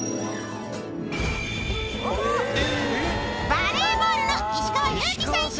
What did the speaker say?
バレーボールの石川祐希選手！